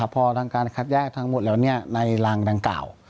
พอทางการคัดแยกทั้งหมดแล้วในรางดังกล่าว